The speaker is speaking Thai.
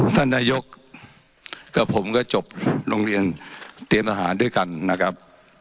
ท่านนายกกับผมก็จบโรงเรียนเตรียมอาหารด้วยกันนะครับ